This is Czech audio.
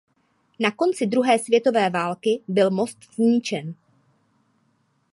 Na konci druhé světové války byl most zničen.